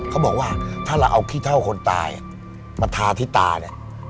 เขาบอกว่าถ้าเราเอาขี้เท่าคนตายมาทาที่ตาเนี่ย